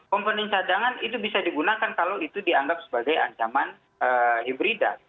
komponen cadangan itu bisa digunakan kalau itu dianggap sebagai ancaman hibrida